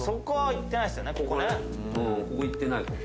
ここいってない。